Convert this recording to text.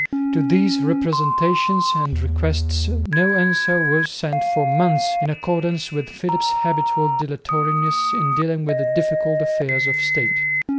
To these representations and requests no answer was sent for months in accordance with Philip's habitual dilatoriness in dealing with difficult affairs of State.